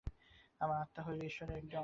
আমার আত্মা হইল ঈশ্বরের একটি অংশ।